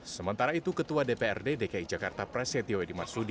sementara itu ketua dprd dki jakarta pres yatiwedi masudi